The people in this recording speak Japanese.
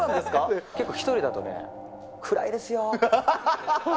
結構、１人だとね、暗いですよ。